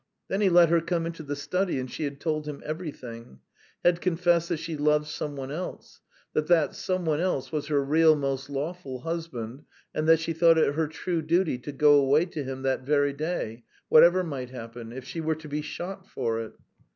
Then he let her come into the study and she had told him everything, had confessed that she loved some one else, that some one else was her real, most lawful husband, and that she thought it her true duty to go away to him that very day, whatever might happen, if she were to be shot for it.